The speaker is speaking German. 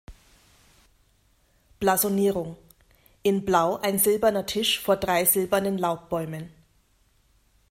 Blasonierung: In Blau ein silberner Tisch vor drei silbernen Laubbäumen.